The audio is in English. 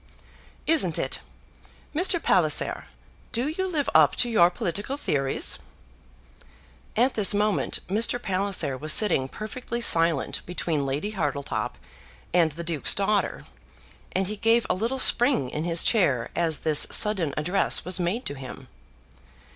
"Isn't it? Mr. Palliser, do you live up to your political theories?" At this moment Mr. Palliser was sitting perfectly silent between Lady Hartletop and the Duke's daughter, and he gave a little spring in his chair as this sudden address was made to him.